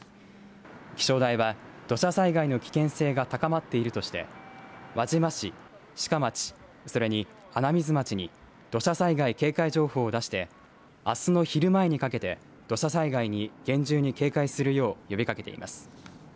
気象台は、土砂災害の危険性が高まっているとして輪島市、志賀町、それに穴水町に土砂災害警戒情報を出してあすの昼前にかけて土砂災害に厳重に警戒するよう呼びかけています。